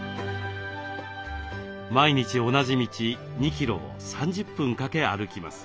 毎日同じ道２キロを３０分かけ歩きます。